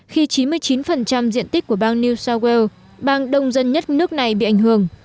khi chín mươi chín diện tích của bang new south wales bang đông dân nhất nước này bị ảnh hưởng